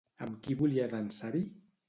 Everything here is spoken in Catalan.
Amb qui volia dansar-hi?